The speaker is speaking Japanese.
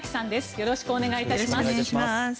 よろしくお願いします。